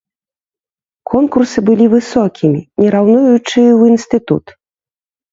Конкурсы былі высокімі, не раўнуючы, у інстытут.